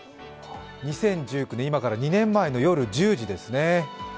２０１９年、今から２年前の夜１０時ですね。